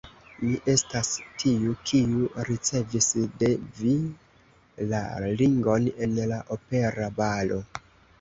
Mi estas tiu, kiu ricevis de vi la ringon en la opera balo.